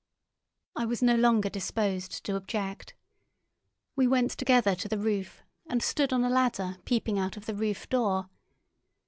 I was no longer disposed to object. We went together to the roof and stood on a ladder peeping out of the roof door.